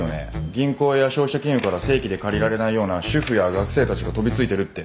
銀行や消費者金融から正規で借りられないような主婦や学生たちが飛びついてるって。